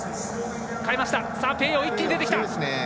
ペーヨー、一気に出てきた！